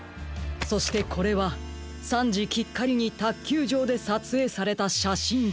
そしてこれは３じきっかりにたっきゅうじょうでさつえいされたしゃしんです。